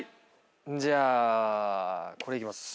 じゃあこれいきます。